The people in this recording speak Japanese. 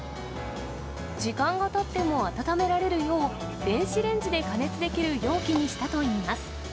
時間がたっても温められるよう、電子レンジで加熱できる容器にしたといいます。